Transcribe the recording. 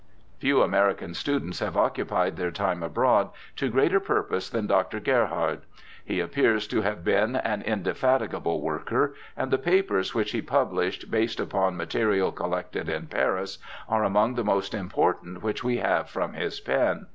Few American students have occupied their time abroad to greater purpose than Dr. Gerhard. He appears to have been an indefatigable worker, and the papers which he published based upon material collected in Paris are among the most important which we have from his pen.